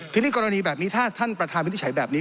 ที่นี้กรณีแบบนี้ถ้าท่านประธานวิทยาศาสตร์ใช้แบบนี้